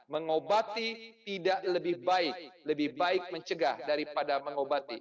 mengobati tidak lebih baik lebih baik mencegah daripada mengobati